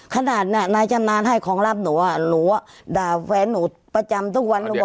ขนาดน่ะนายจำนานให้ของรับหนูอะหนูอะด่าแฟนหนูประจำทุกวัน